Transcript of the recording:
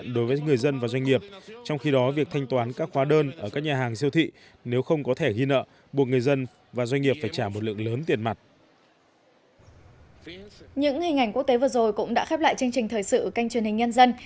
những hình ảnh quốc tế vừa rồi cũng đã khép lại chương trình thời sự kênh truyền hình nhân dân